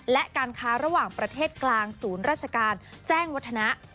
และการค้าระหว่างประเทศกลางศูนย์ราชการแจ้งวัฒนะ